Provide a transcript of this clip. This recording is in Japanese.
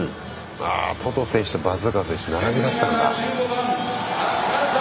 あトト選手とバズーカ選手並びだったんだ。